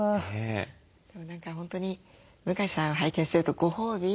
何か本当に向江さん拝見してるとご褒美？